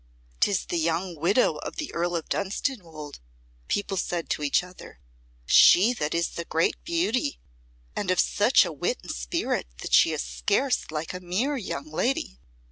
"'Tis the young widow of the Earl of Dunstanwolde," people said to each other "she that is the great beauty, and of such a wit and spirit that she is scarce like a mere young lady.